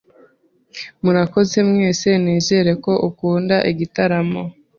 Murakoze mwese nizere ko ukunda igitaramo